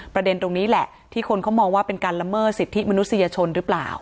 ประเด็นตรงนี้แหละที่คนเขามองว่าเป็นการละเมิดสิทธิมนุษยชนหรือเปล่า